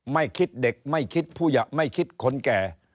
ไม่คิดเด็กไม่คิดผู้หะไม่คิดคนแก่